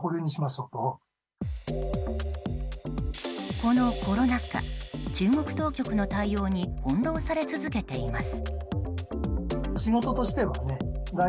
このコロナ禍、中国当局の対応に翻弄され続けています。